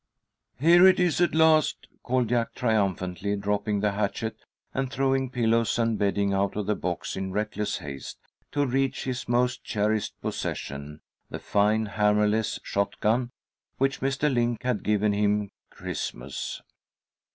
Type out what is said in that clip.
"Here it is at last," called Jack, triumphantly, dropping the hatchet and throwing pillows and bedding out of the box in reckless haste to reach his most cherished possession, the fine hammerless shotgun which Mr. Link had given him Christmas.